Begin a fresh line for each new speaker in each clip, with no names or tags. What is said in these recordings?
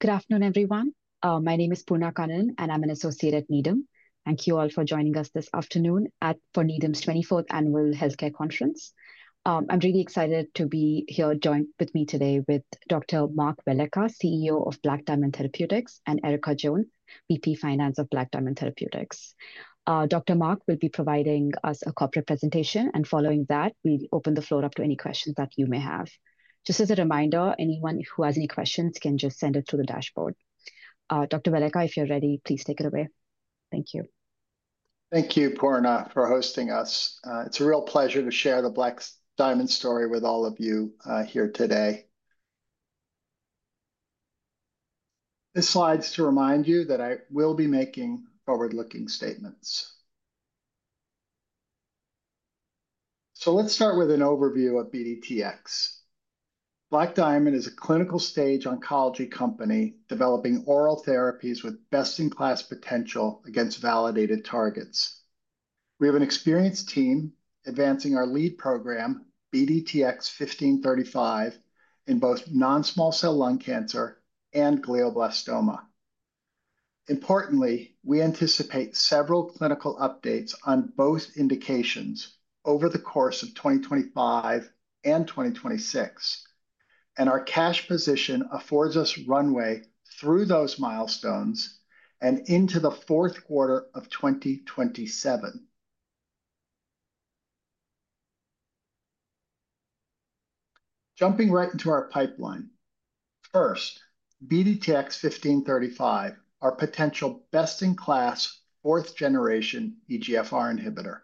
Good afternoon, everyone. My name is Poorna Kannan, and I'm an Associate at Needham. Thank you all for joining us this afternoon for Needham's 24th Annual Healthcare Conference. I'm really excited to be here joined with me today with Dr. Mark Velleca, CEO of Black Diamond Therapeutics, and Erica Jones, VP Finance of Black Diamond Therapeutics. Dr. Mark will be providing us a corporate presentation, and following that, we open the floor up to any questions that you may have. Just as a reminder, anyone who has any questions can just send it through the dashboard. Dr. Velleca, if you're ready, please take it away. Thank you.
Thank you, Poorna, for hosting us. It's a real pleasure to share the Black Diamond story with all of you here today. This slide's to remind you that I will be making forward-looking statements. Let's start with an overview of BDTX. Black Diamond is a clinical stage oncology company developing oral therapies with best-in-class potential against validated targets. We have an experienced team advancing our lead program, BDTX-1535, in both non-small cell lung cancer and glioblastoma. Importantly, we anticipate several clinical updates on both indications over the course of 2025 and 2026, and our cash position affords us runway through those milestones and into the Q4 of 2027. Jumping right into our pipeline. First, BDTX-1535, our potential best-in-class fourth-generation EGFR inhibitor.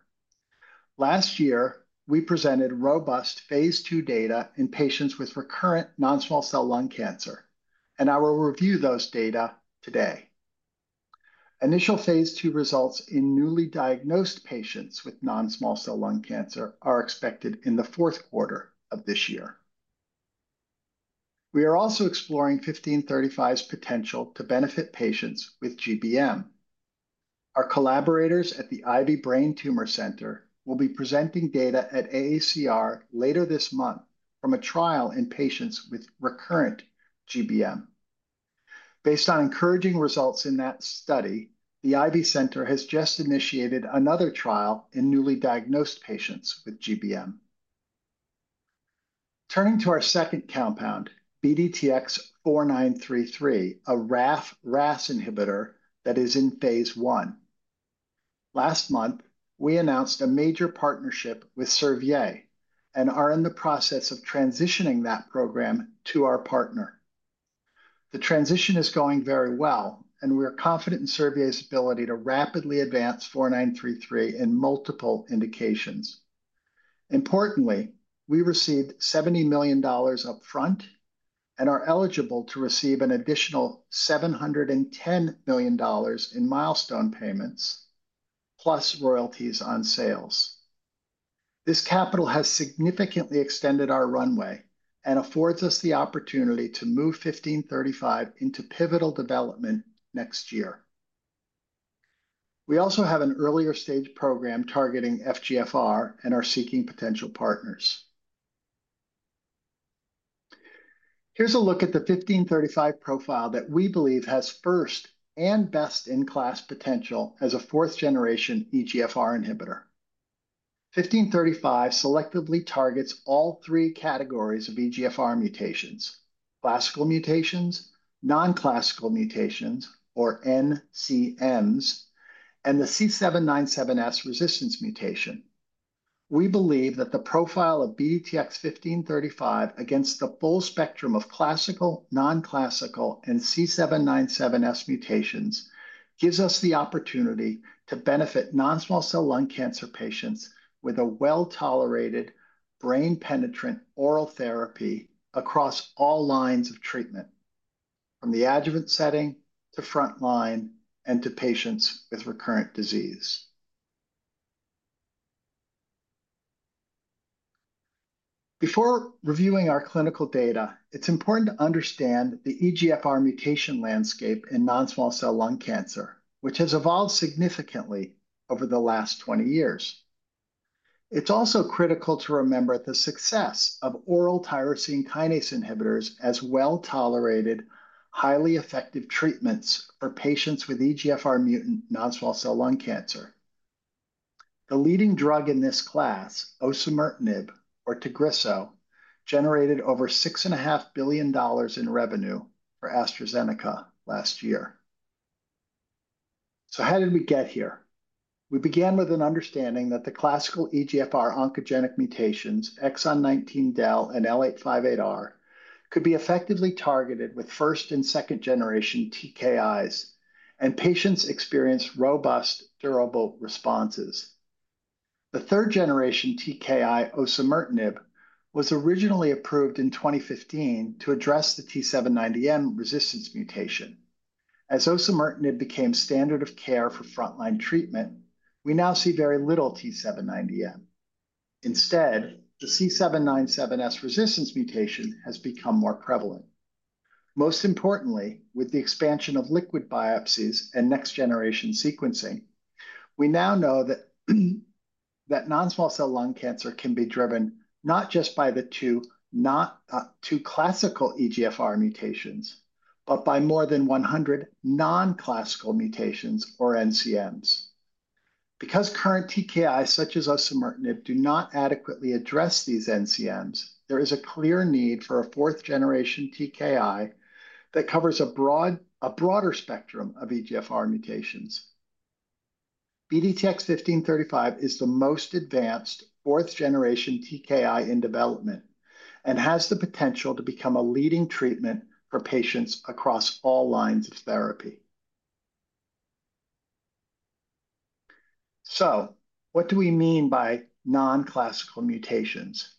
Last year, we presented robust phase II data in patients with recurrent non-small cell lung cancer, and I will review those data today. Initial phase II results in newly diagnosed patients with non-small cell lung cancer are expected in the Q4 of this year. We are also exploring 1535's potential to benefit patients with GBM. Our collaborators at the Ivy Brain Tumor Center will be presenting data at AACR later this month from a trial in patients with recurrent GBM. Based on encouraging results in that study, the Ivy Center has just initiated another trial in newly diagnosed patients with GBM. Turning to our second compound, BDTX-4933, a RAF/RAS inhibitor that is in phase I. Last month, we announced a major partnership with Servier and are in the process of transitioning that program to our partner. The transition is going very well, and we are confident in Servier's ability to rapidly advance 4933 in multiple indications. Importantly, we received $70 million upfront and are eligible to receive an additional $710 million in milestone payments, plus royalties on sales. This capital has significantly extended our runway and affords us the opportunity to move 1535 into pivotal development next year. We also have an earlier stage program targeting FGFR and are seeking potential partners. Here's a look at the 1535 profile that we believe has first and best-in-class potential as a fourth-generation EGFR inhibitor. 1535 selectively targets all three categories of EGFR mutations: classical mutations, non-classical mutations, or NCMs, and the C797S resistance mutation. We believe that the profile of BDTX-1535 against the full spectrum of classical, non-classical, and C797S mutations gives us the opportunity to benefit non-small cell lung cancer patients with a well-tolerated brain-penetrant oral therapy across all lines of treatment, from the adjuvant setting to frontline and to patients with recurrent disease. Before reviewing our clinical data, it's important to understand the EGFR mutation landscape in non-small cell lung cancer, which has evolved significantly over the last 20 years. It's also critical to remember the success of oral tyrosine kinase inhibitors as well-tolerated, highly effective treatments for patients with EGFR-mutant non-small cell lung cancer. The leading drug in this class, osimertinib or Tagrisso, generated over $6.5 billion in revenue for AstraZeneca last year. How did we get here? We began with an understanding that the classical EGFR oncogenic mutations, exon 19 del and L858R, could be effectively targeted with first and second-generation TKIs, and patients experienced robust, durable responses. The third-generation TKI, osimertinib, was originally approved in 2015 to address the T790M resistance mutation. As osimertinib became standard of care for frontline treatment, we now see very little T790M. Instead, the C797S resistance mutation has become more prevalent. Most importantly, with the expansion of liquid biopsies and next-generation sequencing, we now know that non-small cell lung cancer can be driven not just by the two classical EGFR mutations, but by more than 100 non-classical mutations, or NCMs. Because current TKIs such as osimertinib do not adequately address these NCMs, there is a clear need for a fourth-generation TKI that covers a broader spectrum of EGFR mutations. BDTX-1535 is the most advanced fourth-generation TKI in development and has the potential to become a leading treatment for patients across all lines of therapy. What do we mean by non-classical mutations?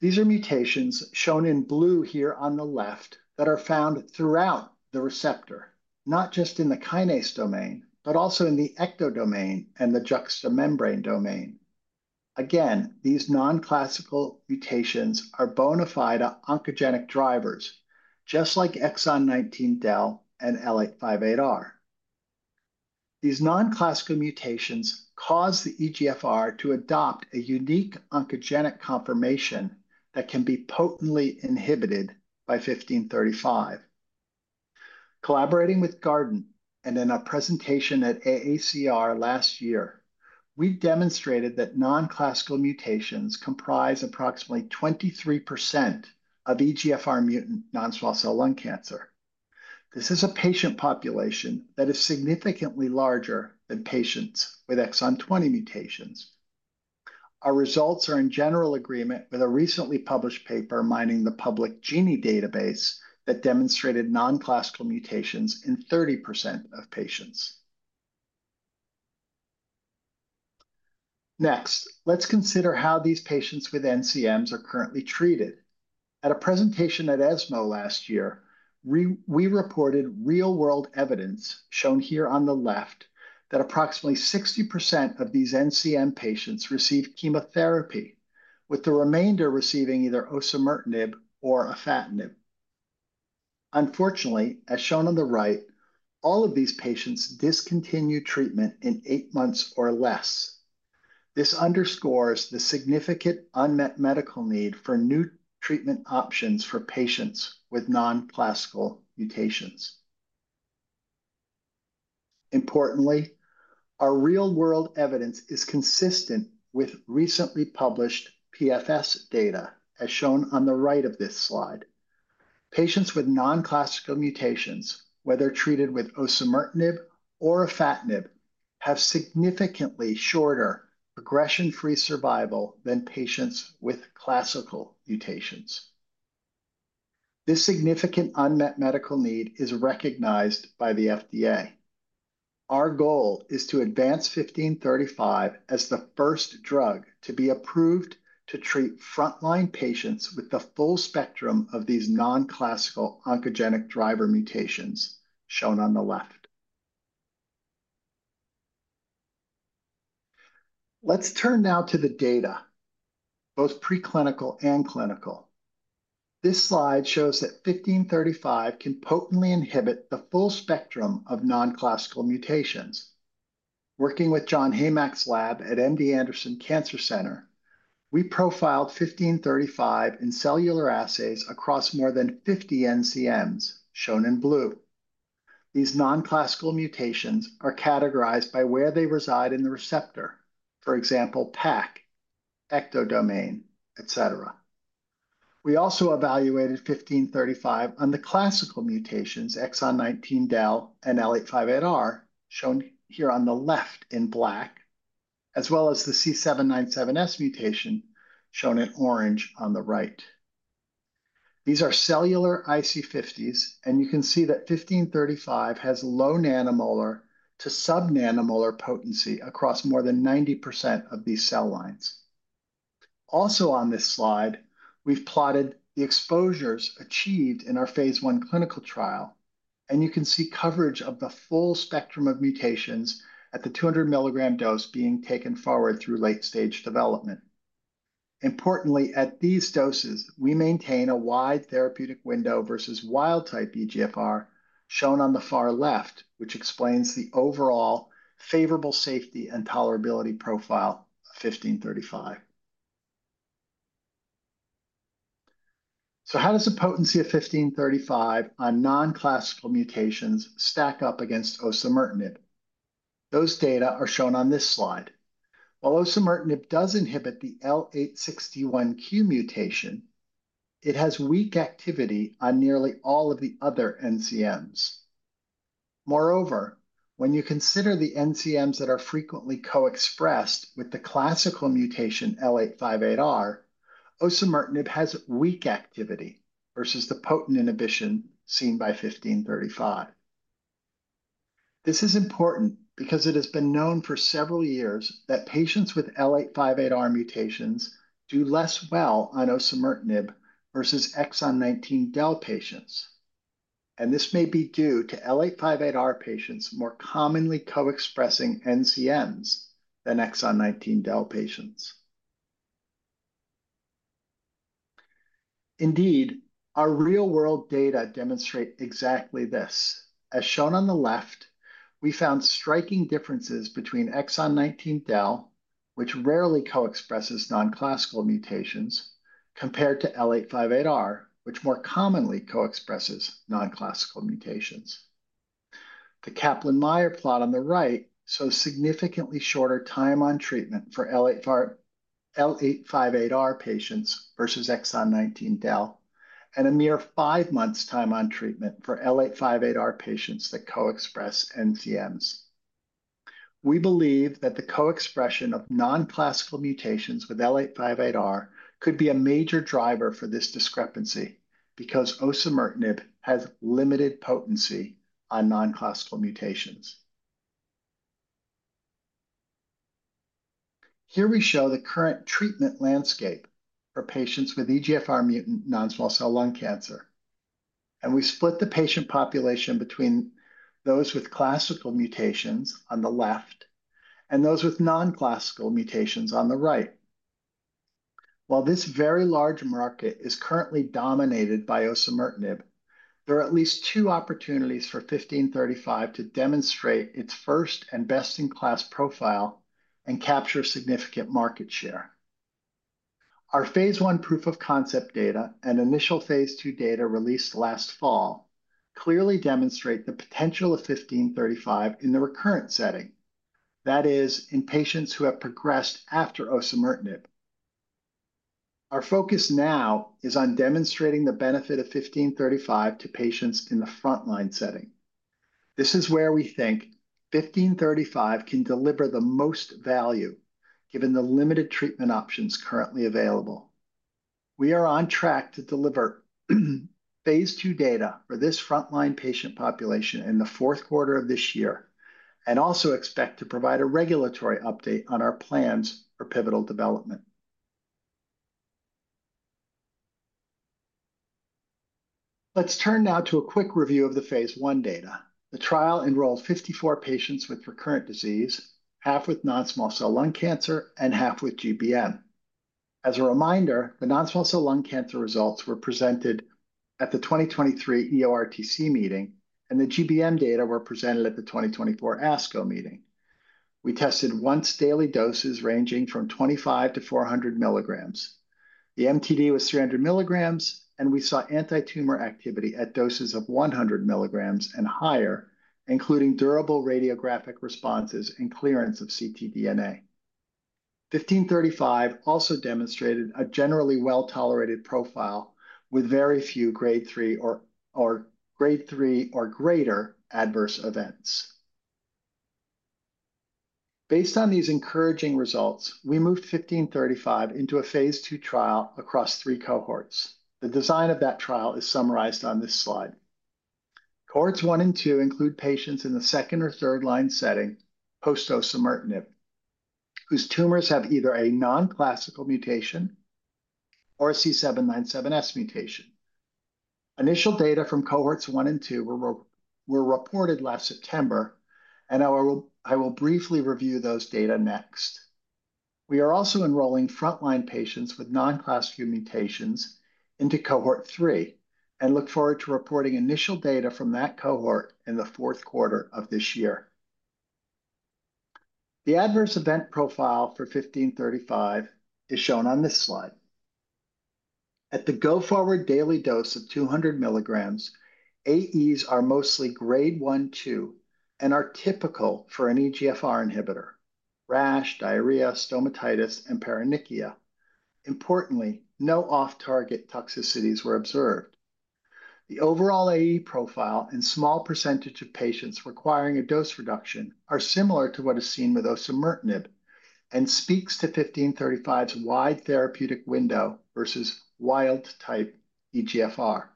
These are mutations shown in blue here on the left that are found throughout the receptor, not just in the kinase domain, but also in the ectodomain and the juxta-membrane domain. Again, these non-classical mutations are bona fide oncogenic drivers, just like exon 19 del and L858R. These non-classical mutations cause the EGFR to adopt a unique oncogenic conformation that can be potently inhibited by 1535. Collaborating with Guardant and in a presentation at AACR last year, we demonstrated that non-classical mutations comprise approximately 23% of EGFR-mutant non-small cell lung cancer. This is a patient population that is significantly larger than patients with exon 20 mutations. Our results are in general agreement with a recently published paper mining the public GENIE database that demonstrated non-classical mutations in 30% of patients. Next, let's consider how these patients with NCMs are currently treated. At a presentation at ESMO last year, we reported real-world evidence, shown here on the left, that approximately 60% of these NCM patients receive chemotherapy, with the remainder receiving either osimertinib or afatinib. Unfortunately, as shown on the right, all of these patients discontinue treatment in eight months or less. This underscores the significant unmet medical need for new treatment options for patients with non-classical mutations. Importantly, our real-world evidence is consistent with recently published PFS data, as shown on the right of this slide. Patients with non-classical mutations, whether treated with osimertinib or afatinib, have significantly shorter progression-free survival than patients with classical mutations. This significant unmet medical need is recognized by the FDA. Our goal is to advance 1535 as the first drug to be approved to treat frontline patients with the full spectrum of these non-classical oncogenic driver mutations, shown on the left. Let's turn now to the data, both preclinical and clinical. This slide shows that 1535 can potently inhibit the full spectrum of non-classical mutations. Working with John Heymach's lab at MD Anderson Cancer Center, we profiled 1535 in cellular assays across more than 50 NCMs, shown in blue. These non-classical mutations are categorized by where they reside in the receptor, for example, PAC, ectodomain, et cetera. We also evaluated 1535 on the classical mutations, exon 19 del and L858R, shown here on the left in black, as well as the C797S mutation, shown in orange on the right. These are cellular IC50s, and you can see that 1535 has low nanomolar to subnanomolar potency across more than 90% of these cell lines. Also on this slide, we've plotted the exposures achieved in our phase I clinical trial, and you can see coverage of the full spectrum of mutations at the 200 milligram dose being taken forward through late-stage development. Importantly, at these doses, we maintain a wide therapeutic window versus wild-type EGFR, shown on the far left, which explains the overall favorable safety and tolerability profile of 1535. How does the potency of 1535 on non-classical mutations stack up against osimertinib? Those data are shown on this slide. While osimertinib does inhibit the L861Q mutation, it has weak activity on nearly all of the other NCMs. Moreover, when you consider the NCMs that are frequently co-expressed with the classical mutation L858R, osimertinib has weak activity versus the potent inhibition seen by 1535. This is important because it has been known for several years that patients with L858R mutations do less well on osimertinib versus exon 19 del patients, and this may be due to L858R patients more commonly co-expressing NCMs than exon 19 del patients. Indeed, our real-world data demonstrate exactly this. As shown on the left, we found striking differences between exon 19 del, which rarely co-expresses non-classical mutations, compared to L858R, which more commonly co-expresses non-classical mutations. The Kaplan-Meier plot on the right shows significantly shorter time on treatment for L858R patients versus exon 19 del and a mere five months' time on treatment for L858R patients that co-express NCMs. We believe that the co-expression of non-classical mutations with L858R could be a major driver for this discrepancy because osimertinib has limited potency on non-classical mutations. Here we show the current treatment landscape for patients with EGFR-mutant non-small cell lung cancer, and we split the patient population between those with classical mutations on the left and those with non-classical mutations on the right. While this very large market is currently dominated by osimertinib, there are at least two opportunities for 1535 to demonstrate its first and best-in-class profile and capture significant market share. Our phase I proof of concept data and initial phase II data released last fall clearly demonstrate the potential of 1535 in the recurrent setting, that is, in patients who have progressed after osimertinib. Our focus now is on demonstrating the benefit of 1535 to patients in the frontline setting. This is where we think 1535 can deliver the most value given the limited treatment options currently available. We are on track to deliver phase II data for this frontline patient population in the Q4 of this year and also expect to provide a regulatory update on our plans for pivotal development. Let's turn now to a quick review of the phase I data. The trial enrolled 54 patients with recurrent disease, half with non-small cell lung cancer and half with GBM. As a reminder, the non-small cell lung cancer results were presented at the 2023 EORTC meeting, and the GBM data were presented at the 2024 ASCO meeting. We tested once-daily doses ranging from 25-400 milligrams. The MTD was 300 milligrams, and we saw anti-tumor activity at doses of 100 milligrams and higher, including durable radiographic responses and clearance of ctDNA. 1535 also demonstrated a generally well-tolerated profile with very few grade three or grade three or greater adverse events. Based on these encouraging results, we moved 1535 into a phase II trial across three cohorts. The design of that trial is summarized on this slide. Cohorts one and two include patients in the second or third line setting post-osimertinib, whose tumors have either a non-classical mutation or a C797S mutation. Initial data from cohorts one and two were reported last September, and I will briefly review those data next. We are also enrolling frontline patients with non-classical mutations into cohort three and look forward to reporting initial data from that cohort in the Q4 of this year. The adverse event profile for 1535 is shown on this slide. At the go-forward daily dose of 200 milligrams, AEs are mostly grade one, two, and are typical for an EGFR inhibitor: rash, diarrhea, stomatitis, and paronychia. Importantly, no off-target toxicities were observed. The overall AE profile and small percentage of patients requiring a dose reduction are similar to what is seen with osimertinib and speaks to 1535's wide therapeutic window versus wild-type EGFR.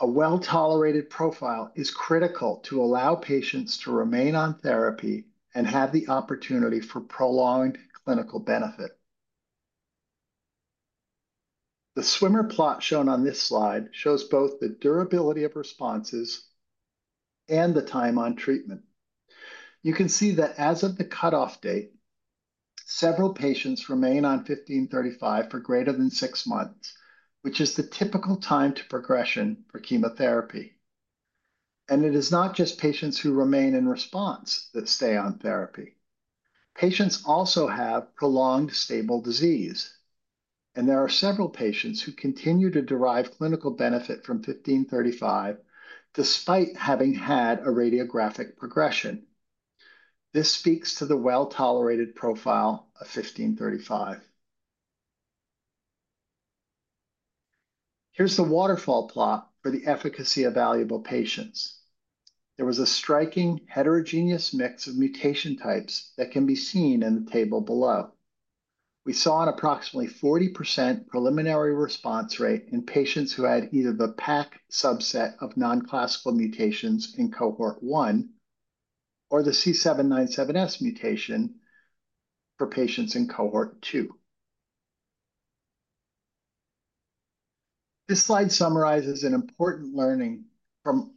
A well-tolerated profile is critical to allow patients to remain on therapy and have the opportunity for prolonged clinical benefit. The swimmer plot shown on this slide shows both the durability of responses and the time on treatment. You can see that as of the cutoff date, several patients remain on 1535 for greater than six months, which is the typical time to progression for chemotherapy. It is not just patients who remain in response that stay on therapy. Patients also have prolonged stable disease, and there are several patients who continue to derive clinical benefit from 1535 despite having had a radiographic progression. This speaks to the well-tolerated profile of 1535. Here's the waterfall plot for the efficacy of evaluable patients. There was a striking heterogeneous mix of mutation types that can be seen in the table below. We saw an approximately 40% preliminary response rate in patients who had either the PAC subset of non-classical mutations in cohort one or the C797S mutation for patients in cohort two. This slide summarizes an important learning from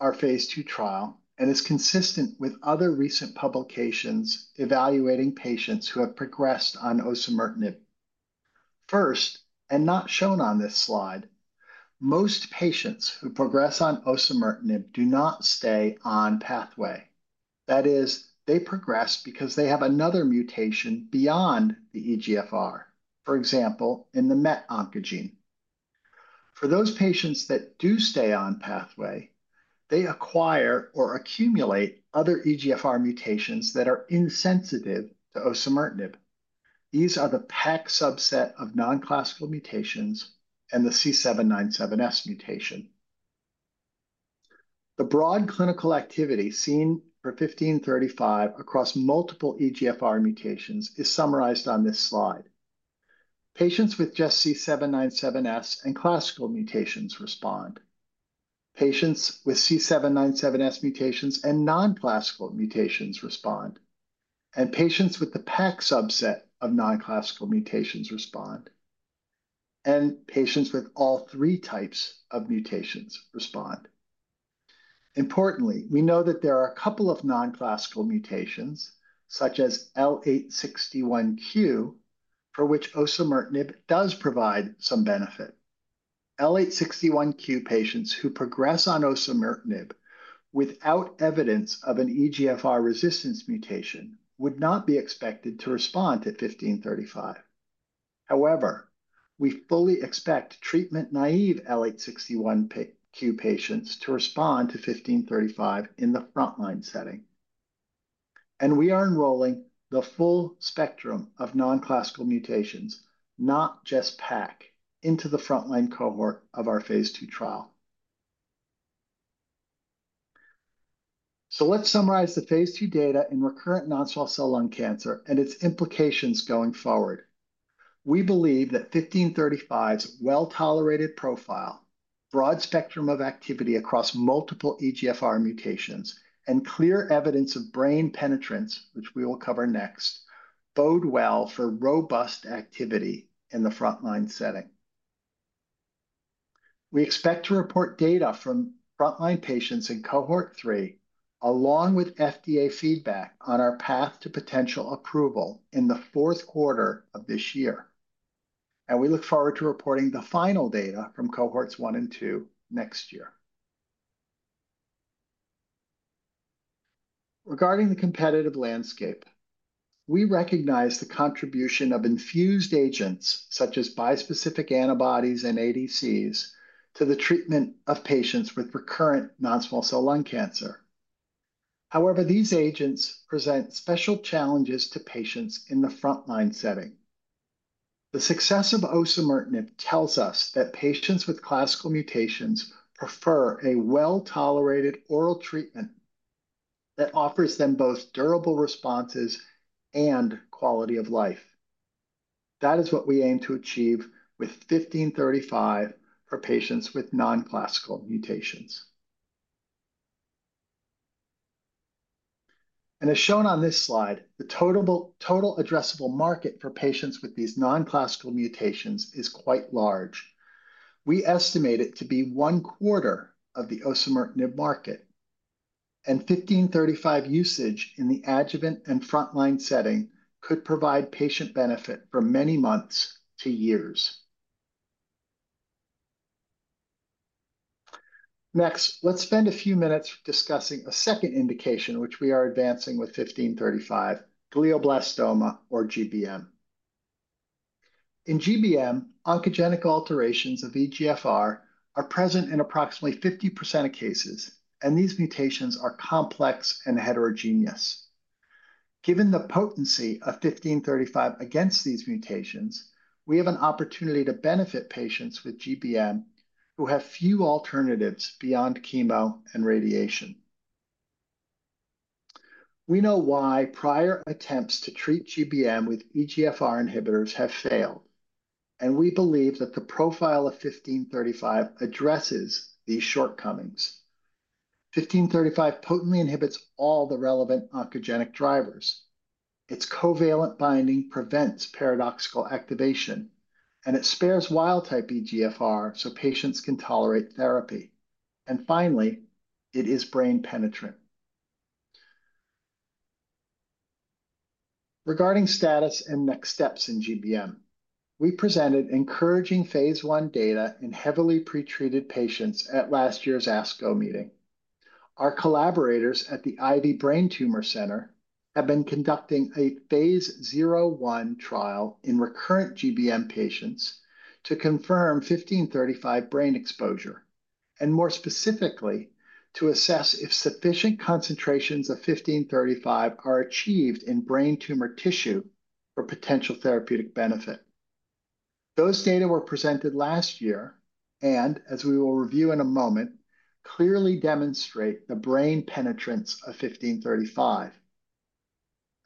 our phase II trial and is consistent with other recent publications evaluating patients who have progressed on osimertinib. First, and not shown on this slide, most patients who progress on osimertinib do not stay on pathway. That is, they progress because they have another mutation beyond the EGFR, for example, in the MET oncogene. For those patients that do stay on pathway, they acquire or accumulate other EGFR mutations that are insensitive to osimertinib. These are the PAC subset of non-classical mutations and the C797S mutation. The broad clinical activity seen for 1535 across multiple EGFR mutations is summarized on this slide. Patients with just C797S and classical mutations respond. Patients with C797S mutations and non-classical mutations respond, and patients with the PAC subset of non-classical mutations respond, and patients with all three types of mutations respond. Importantly, we know that there are a couple of non-classical mutations, such as L861Q, for which osimertinib does provide some benefit. L861Q patients who progress on osimertinib without evidence of an EGFR resistance mutation would not be expected to respond to 1535. However, we fully expect treatment-naive L861Q patients to respond to 1535 in the frontline setting. We are enrolling the full spectrum of non-classical mutations, not just PAC, into the frontline cohort of our phase II trial. Let us summarize the phase II data in recurrent non-small cell lung cancer and its implications going forward. We believe that 1535's well-tolerated profile, broad spectrum of activity across multiple EGFR mutations, and clear evidence of brain penetrance, which we will cover next, bode well for robust activity in the frontline setting. We expect to report data from frontline patients in cohort three, along with FDA feedback on our path to potential approval in the Q4 of this year. We look forward to reporting the final data from cohorts one and two next year. Regarding the competitive landscape, we recognize the contribution of infused agents such as bispecific antibodies and ADCs to the treatment of patients with recurrent non-small cell lung cancer. However, these agents present special challenges to patients in the frontline setting. The success of osimertinib tells us that patients with classical mutations prefer a well-tolerated oral treatment that offers them both durable responses and quality of life. That is what we aim to achieve with 1535 for patients with non-classical mutations. As shown on this slide, the total addressable market for patients with these non-classical mutations is quite large. We estimate it to be one quarter of the osimertinib market, and 1535 usage in the adjuvant and frontline setting could provide patient benefit for many months to years. Next, let's spend a few minutes discussing a second indication, which we are advancing with 1535, glioblastoma or GBM. In GBM, oncogenic alterations of EGFR are present in approximately 50% of cases, and these mutations are complex and heterogeneous. Given the potency of 1535 against these mutations, we have an opportunity to benefit patients with GBM who have few alternatives beyond chemo and radiation. We know why prior attempts to treat GBM with EGFR inhibitors have failed, and we believe that the profile of 1535 addresses these shortcomings. 1535 potently inhibits all the relevant oncogenic drivers. Its covalent binding prevents paradoxical activation, and it spares wild-type EGFR so patients can tolerate therapy. Finally, it is brain penetrant. Regarding status and next steps in GBM, we presented encouraging phase I data in heavily pretreated patients at last year's ASCO meeting. Our collaborators at the Ivy Brain Tumor Center have been conducting a phase zero one trial in recurrent GBM patients to confirm 1535 brain exposure, and more specifically to assess if sufficient concentrations of 1535 are achieved in brain tumor tissue for potential therapeutic benefit. Those data were presented last year and, as we will review in a moment, clearly demonstrate the brain penetrance of 1535.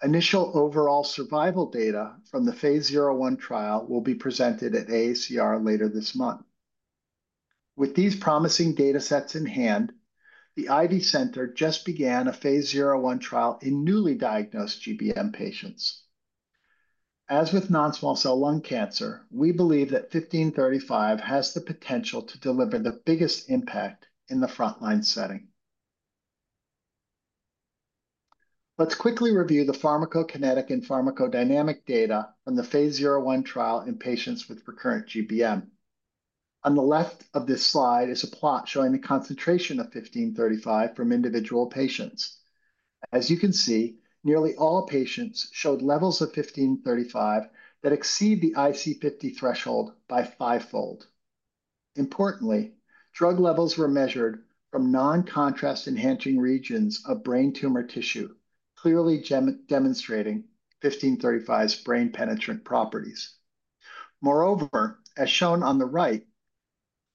Initial overall survival data from the phase zero one trial will be presented at AACR later this month. With these promising data sets in hand, the Ivy Brain Tumor Center just began a phase zero one trial in newly diagnosed GBM patients. As with non-small cell lung cancer, we believe that 1535 has the potential to deliver the biggest impact in the frontline setting. Let's quickly review the pharmacokinetic and pharmacodynamic data from the phase zero one trial in patients with recurrent GBM. On the left of this slide is a plot showing the concentration of 1535 from individual patients. As you can see, nearly all patients showed levels of 1535 that exceed the IC50 threshold by fivefold. Importantly, drug levels were measured from non-contrast enhancing regions of brain tumor tissue, clearly demonstrating 1535's brain penetrant properties. Moreover, as shown on the right,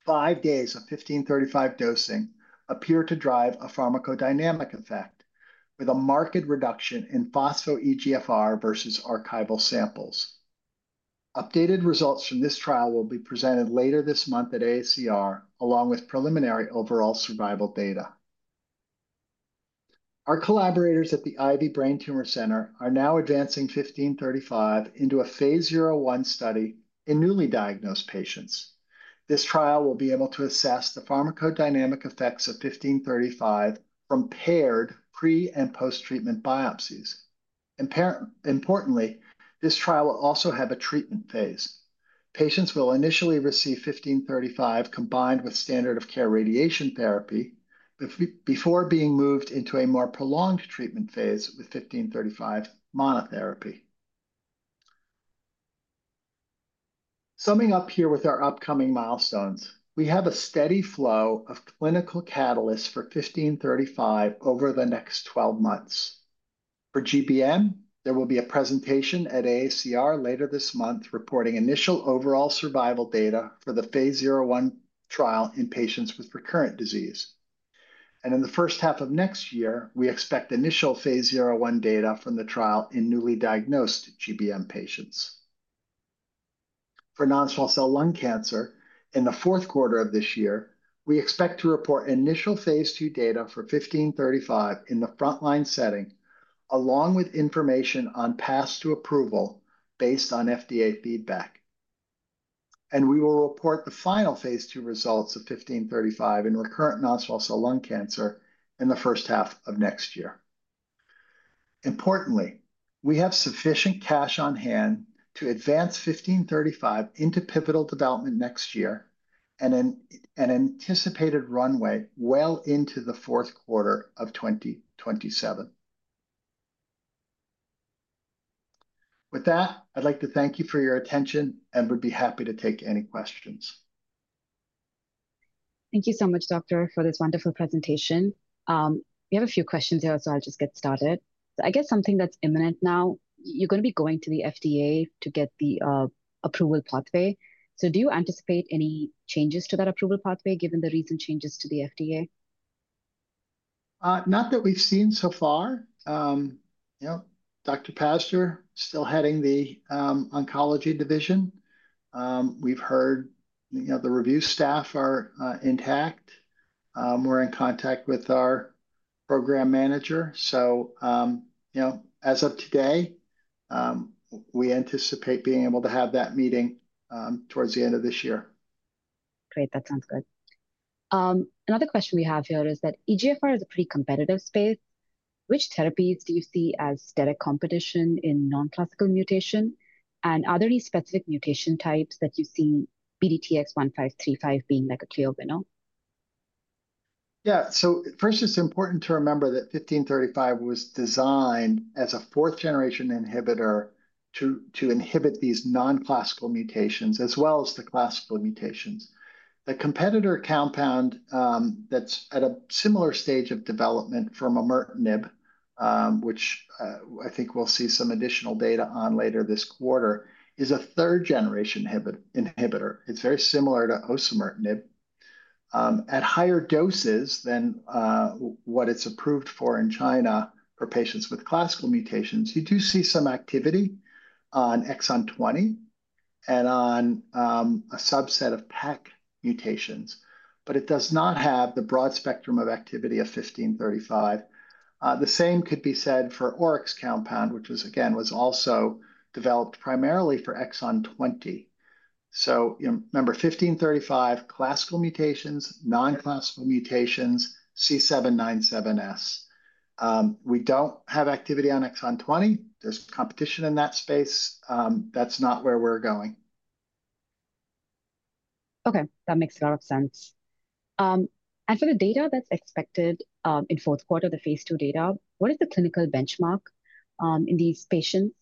five days of 1535 dosing appear to drive a pharmacodynamic effect with a marked reduction in phospho-EGFR versus archival samples. Updated results from this trial will be presented later this month at AACR, along with preliminary overall survival data. Our collaborators at the Ivy Brain Tumor Center are now advancing 1535 into a phase zero one study in newly diagnosed patients. This trial will be able to assess the pharmacodynamic effects of 1535 from paired pre- and post-treatment biopsies. Importantly, this trial will also have a treatment phase. Patients will initially receive 1535 combined with standard of care radiation therapy before being moved into a more prolonged treatment phase with 1535 monotherapy. Summing up here with our upcoming milestones, we have a steady flow of clinical catalysts for 1535 over the next 12 months. For GBM, there will be a presentation at AACR later this month reporting initial overall survival data for the phase zero one trial in patients with recurrent disease. In the first half of next year, we expect initial phase zero one data from the trial in newly diagnosed GBM patients. For non-small cell lung cancer, in the Q4 of this year, we expect to report initial phase II data for 1535 in the frontline setting, along with information on path to approval based on FDA feedback. We will report the final phase II results of 1535 in recurrent non-small cell lung cancer in the first half of next year. Importantly, we have sufficient cash on hand to advance 1535 into pivotal development next year and an anticipated runway well into the Q4 of 2027. With that, I'd like to thank you for your attention and would be happy to take any questions.
Thank you so much, Doctor, for this wonderful presentation. We have a few questions here, so I'll just get started. I guess something that's imminent now, you're going to be going to the FDA to get the approval pathway. Do you anticipate any changes to that approval pathway given the recent changes to the FDA?
Not that we've seen so far. You know, Dr. Pastor is still heading the oncology division. We've heard, you know, the review staff are intact. We're in contact with our program manager. So, you know, as of today, we anticipate being able to have that meeting towards the end of this year. Great. That sounds good. Another question we have here is that EGFR is a pretty competitive space.
Which therapies do you see as direct competition in non-classical mutation? And are there any specific mutation types that you see BDTX-1535 being like a clear winner?
Yeah. First, it's important to remember that 1535 was designed as a fourth-generation inhibitor to inhibit these non-classical mutations as well as the classical mutations. The competitor compound that's at a similar stage of development from osimertinib, which I think we'll see some additional data on later this quarter, is a third-generation inhibitor. It's very similar to osimertinib. At higher doses than what it's approved for in China for patients with classical mutations, you do see some activity on exon 20 and on a subset of PAC mutations, but it does not have the broad spectrum of activity of 1535. The same could be said for the ORX compound, which was also developed primarily for exon 20. You know, remember 1535, classical mutations, non-classical mutations, C797S. We don't have activity on exon 20. There's competition in that space. That's not where we're going.
Okay. That makes a lot of sense. As for the data that's expected in Q4, the phase II data, what is the clinical benchmark in these patients?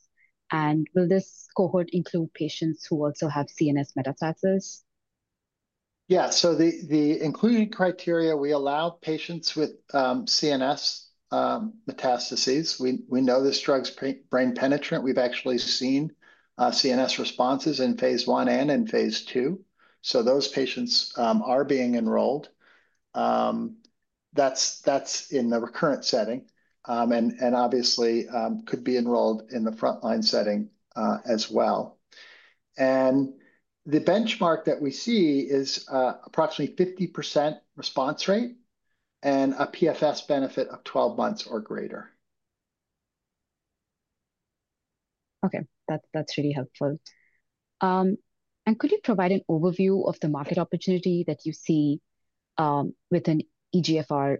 And will this cohort include patients who also have CNS metastasis?
Yeah. So the included criteria, we allow patients with CNS metastases. We know this drug's brain penetrant. We've actually seen CNS responses in phase I and in phase II. So those patients are being enrolled. That's in the recurrent setting and obviously could be enrolled in the frontline setting as well. And the benchmark that we see is approximately 50% response rate and a PFS benefit of 12 months or greater.
Okay. That's really helpful. And could you provide an overview of the market opportunity that you see with an EGFR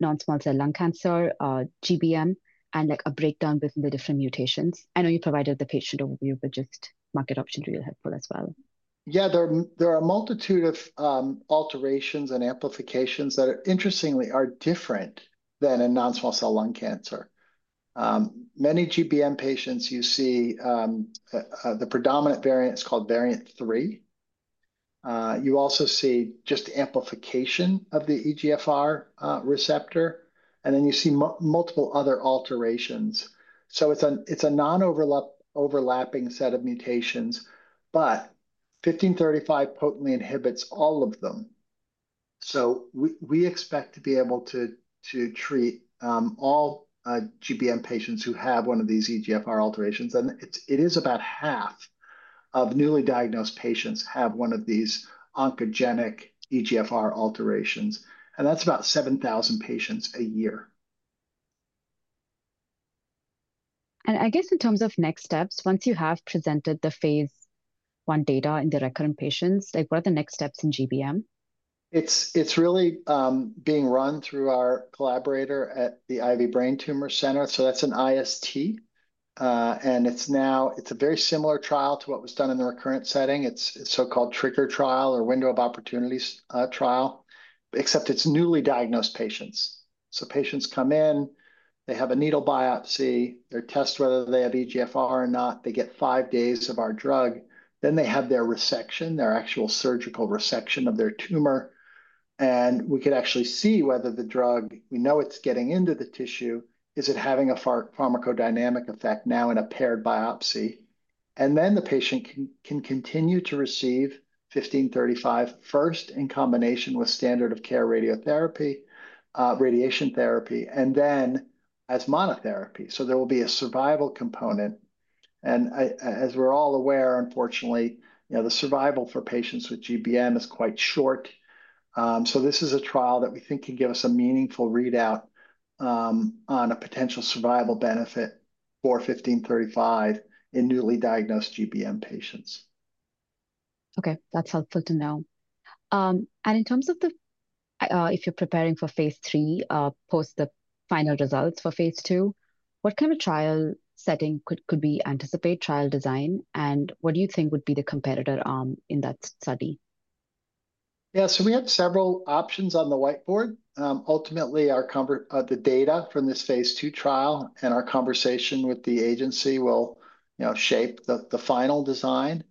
non-small cell lung cancer, GBM, and like a breakdown within the different mutations? I know you provided the patient overview, but just market options would be helpful as well.
Yeah. There are a multitude of alterations and amplifications that interestingly are different than in non-small cell lung cancer. Many GBM patients you see, the predominant variant is called variant three. You also see just amplification of the EGFR receptor, and then you see multiple other alterations. It is a non-overlapping set of mutations, but 1535 potently inhibits all of them. We expect to be able to treat all GBM patients who have one of these EGFR alterations. It is about half of newly diagnosed patients have one of these oncogenic EGFR alterations. That is about 7,000 patients a year.
I guess in terms of next steps, once you have presented the phase I data in the recurrent patients, like what are the next steps in GBM?
It's really being run through our collaborator at the Ivy Brain Tumor Center. That's an IST. It's a very similar trial to what was done in the recurrent setting. It's a so-called trigger trial or window of opportunities trial, except it's newly diagnosed patients. Patients come in, they have a needle biopsy, they're tested whether they have EGFR or not. They get five days of our drug. They have their resection, their actual surgical resection of their tumor. We could actually see whether the drug, we know it's getting into the tissue, is it having a pharmacodynamic effect now in a paired biopsy? The patient can continue to receive 1535 first in combination with standard of care radiotherapy, radiation therapy, and then as monotherapy. There will be a survival component. As we're all aware, unfortunately, you know, the survival for patients with GBM is quite short. This is a trial that we think can give us a meaningful readout on a potential survival benefit for 1535 in newly diagnosed GBM patients. Okay. That's helpful to know. In terms of the, if you're preparing for phase III, post the final results for phase II, what kind of trial setting could we anticipate trial design? What do you think would be the competitor arm in that study? Yeah. We have several options on the whiteboard. Ultimately, the data from this phase II trial and our conversation with the agency will, you know, shape the final design.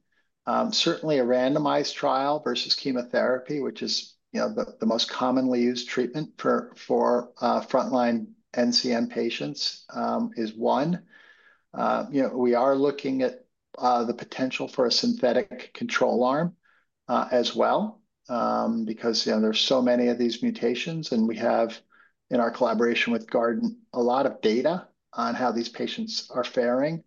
Certainly, a randomized trial versus chemotherapy, which is, you know, the most commonly used treatment for frontline NCM patients, is one. You know, we are looking at the potential for a synthetic control arm as well because, you know, there are so many of these mutations and we have, in our collaboration with Guardant, a lot of data on how these patients are faring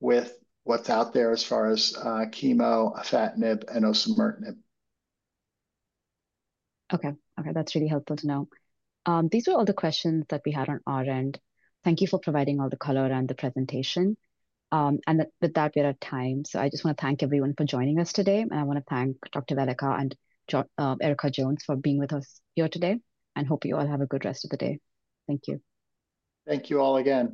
with what is out there as far as chemo, afatinib, and osimertinib.
Okay. Okay. That is really helpful to know. These were all the questions that we had on our end. Thank you for providing all the color and the presentation. With that, we are at time. I just want to thank everyone for joining us today. I want to thank Dr. Velleca and Erica Jones for being with us here today. Hope you all have a good rest of the day. Thank you.
Thank you all again.